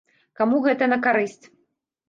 Каму гэта на карысць?